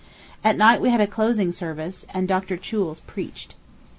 At night we had a closing service, and Dr. Choules preached.